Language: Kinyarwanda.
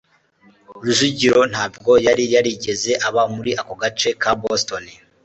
rujugiro ntabwo yari yarigeze aba muri ako gace ka boston